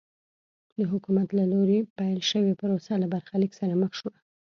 د حکومت له لوري پیل شوې پروسه له برخلیک سره مخ شوه.